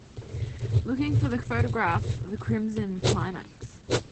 Looking for the photograph the Crimson Climax